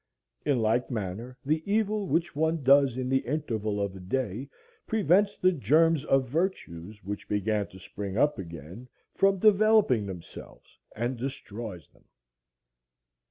In like manner the evil which one does in the interval of a day prevents the germs of virtues which began to spring up again from developing themselves and destroys them.